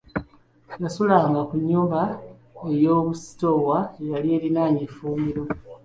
Yasulanga ku nnyumba eyoobusitoowa eyali eriraanye effumbiro.